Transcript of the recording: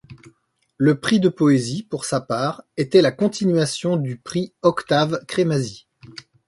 Le prix de poésie, pour sa part, était la continuation du prix Octave-Crémazie.